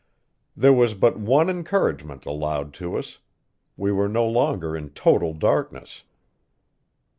There was but one encouragement allowed to us: we were no longer in total darkness.